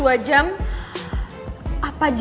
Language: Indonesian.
apa jangan jangan lo mau kabur ya dari gue